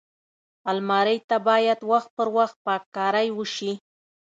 الماري ته باید وخت پر وخت پاک کاری وشي